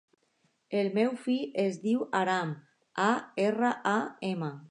El meu fill es diu Aram: a, erra, a, ema.